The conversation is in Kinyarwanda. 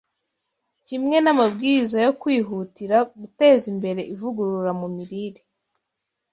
kimwe n’amabwiriza yo kwihutira guteza imbere ivugurura mu mirire.